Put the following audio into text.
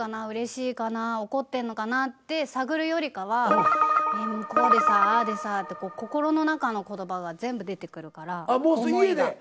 うれしいかな怒ってんのかなって探るよりかはこうでさぁああでさぁって心の中の言葉が全部出てくるから思いが。